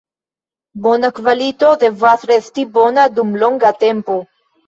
Bona kvalito devas resti bona dum longa tempo.